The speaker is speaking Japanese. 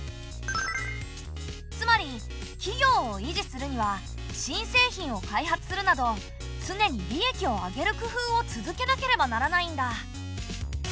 つまり企業を維持するには新製品を開発するなど常に利益を上げる工夫を続けなければならないんだ。